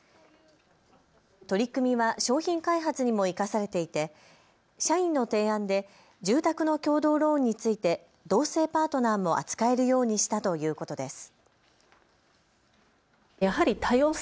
取り組みは商品開発にも生かされていて社員の提案で住宅の共同ローンについて同性パートナーも扱えるようにしたということです。